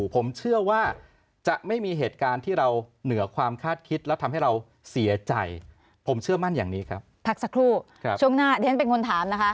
ผมเชื่อมั่นอย่างนี้ครับพักสักครู่ช่วงหน้าเดี๋ยวเป็นคนถามนะคะ